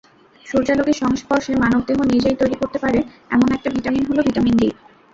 সূর্যালোকের সংস্পর্শে মানবদেহ নিজেই তৈরি করতে পারে এমন একমাত্র ভিটামিন হলো ভিটামিন-ডি।